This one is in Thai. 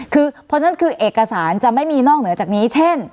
คือเพราะฉะนั้นคือเอกสารจะไม่มีนอกเหนือจากนี้เช่น